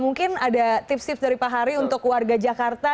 mungkin ada tips tips dari pak hari untuk warga jakarta